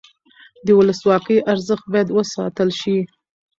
د ولسواکۍ ارزښت باید وساتل شي